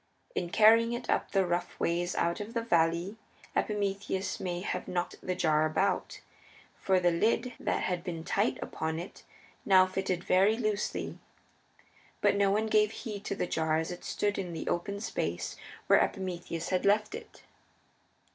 In carrying it up the rough ways out of the valley Epimetheus may have knocked the jar about, for the lid that had been tight upon it now fitted very loosely. But no one gave heed to the jar as it stood in the open space where Epimetheus had left it.